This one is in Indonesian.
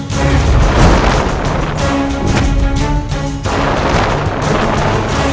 puda puda yang aneh